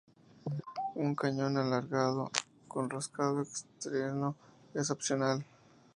Un cañón alargado con roscado externo es opcional.